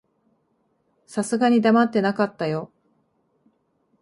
さすがに黙ってなかったよ。